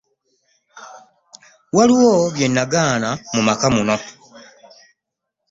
Waliwo bye nagaana mu maka muno.